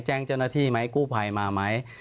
แจ้งเจ้าหน้าที่ไหมกู้ภัยมาไหม